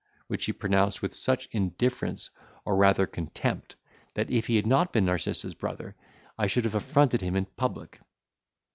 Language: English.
which he pronounced with such indifference or rather contempt, that if he had not been Narcissa's brother, I should have affronted him in public.